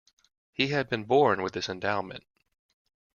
He had been born with this endowment.